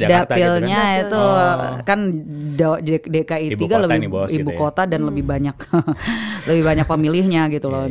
dapilnya itu kan dki tiga lebih ibu kota dan lebih banyak pemilihnya gitu loh